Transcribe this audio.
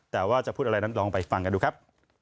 แต่ว่าจะพูดอะไรนั้นลองไปฟังกันดูครับ